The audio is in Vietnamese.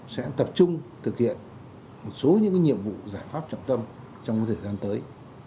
sẽ tập trung thực hiện một số những nhiệm vụ giải pháp trọng tâm trong thời gian tới